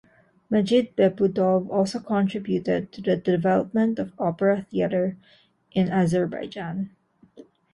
Majid Behbudov also contributed to the development of opera theater in Azerbaijan.